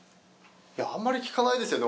あんまり聞かないですよね。